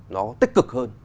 nó tích cực hơn